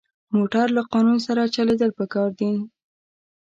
موټر له قانون سره چلېدل پکار دي.